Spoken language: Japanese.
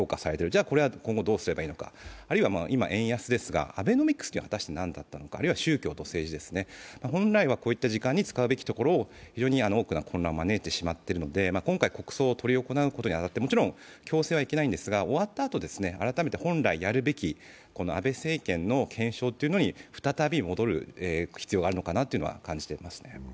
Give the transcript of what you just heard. じゃこれは今後どうすればいいのかあるいは今、円安ですがアベノミクスとは果たして何だったのか、あるいは宗教と政治ですね、本来はこういう時間に使うべきところを多くの混乱を招いてしまっているので今回、国葬を執り行うに当たってもちろん強制はいけないんですが、終わったあと、改めて本来やるべき、安倍政権の検証というのに再び戻る必要があるのかなと感じていますね。